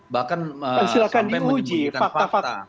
bahkan sampai menyebutkan fakta